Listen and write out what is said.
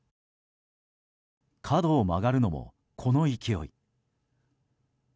角を曲がるのも、この勢い。